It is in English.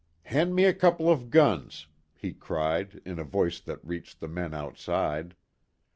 "Hand me a couple of guns!" he cried, in a voice that reached the men outside.